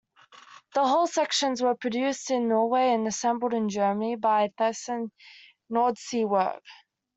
The hull sections were produced in Norway and assembled in Germany by Thyssen Nordseewerke.